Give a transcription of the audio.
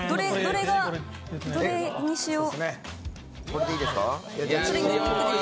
どれにしよう。